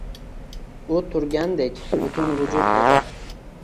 U turgandek butun vujud edi.